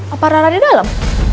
apa rara di dalam